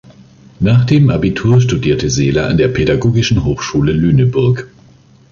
Nach dem Abitur studierte Seeler an der Pädagogischen Hochschule Lüneburg.